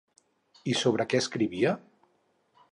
I sobre què escrivia?